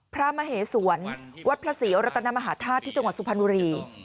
พระมเหสวนวัดพระศรีรัตนมหาธาตุที่จังหวัดสุพรรณบุรี